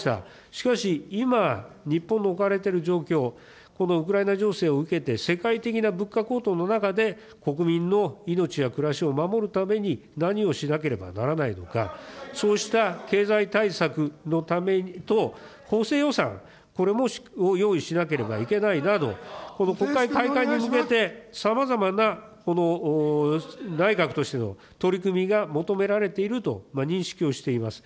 しかし、今、日本の置かれている状況、このウクライナ情勢を受けて、世界的な物価高騰の中で、国民の命や暮らしを守るために、何をしなければならないのか。そうした経済対策のためと、補正予算、これを用意しなければいけないなど、この国会開会に向けてさまざまな、この内閣としての取り組みが求められていると認識をしております。